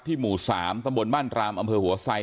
หมู่๓ตำบลบ้านรามอำเภอหัวไซ